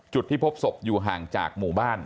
จุดที่พบศพอยู่ห่างจากหมู่บ้าน